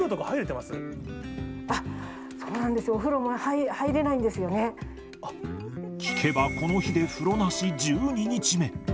そうなんですよ、お風呂は入聞けば、この日で風呂なし１２日目。